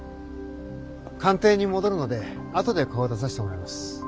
官邸に戻るので後で顔出させてもらいます。